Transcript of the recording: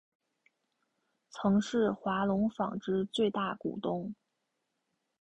曾是华隆纺织最大股东。